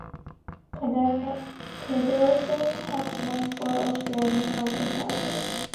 Pedersen has won four Australian Open titles.